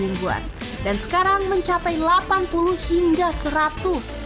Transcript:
yang ikut catering selama isoman sebelum ppkm level empat perminggu ada sebanyak lima puluh orang yang ikut catering